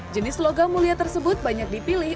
jenis logam mulia tersebut banyak dipilih